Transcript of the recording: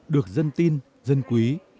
được dân tin dân quý